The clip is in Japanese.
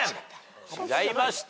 違いました。